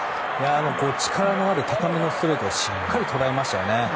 力のある高めのストレートをしっかり捉えましたよね。